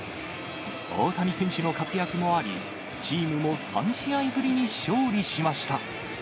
大谷選手の活躍もあり、チームも３試合ぶりに勝利しました。